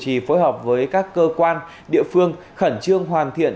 trì phối hợp với các cơ quan địa phương khẩn trương hoàn thiện